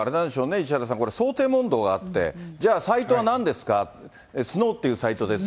石原さん、これ想定問答があって、じゃあ、サイトはなんですか、スノーっていうサイトです。